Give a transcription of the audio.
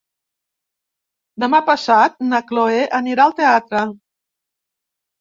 Demà passat na Chloé anirà al teatre.